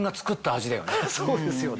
そうですよね。